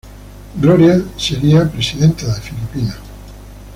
Gloria sería presidenta de Filipinas.